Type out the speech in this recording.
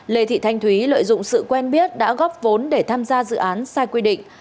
lê thị thanh thúy lợi dụng sự quen biết đã góp vốn để tham gia dự án sai quy định